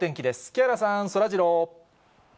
木原さん、そらジロー。